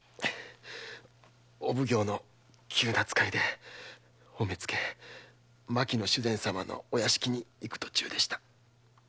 お奉行の急な使いでお目付・牧野主膳様のお屋敷に行く途中でした！